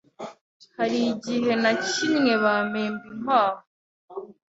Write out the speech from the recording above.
Hari igihe nakinnye bampemba inkwavu